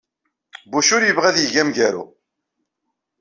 Bush ur yebɣi ad yeg amgaru.